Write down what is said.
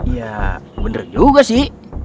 ya bener juga sih